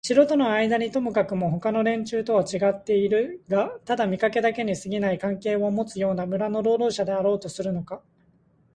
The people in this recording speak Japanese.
城とのあいだにともかくもほかの連中とはちがってはいるがただ見かけだけにすぎない関係をもつような村の労働者であろうとするのか、